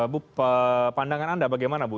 bu pandangan anda bagaimana bu